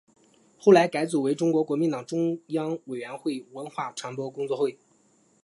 后来改组为中国国民党中央委员会文化传播工作会。